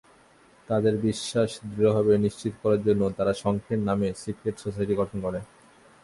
তাদের বিশ্বাস দৃঢ়ভাবে নিশ্চিত করার জন্য তারা শঙ্খের নামে সিক্রেট সোসাইটি গঠন করে।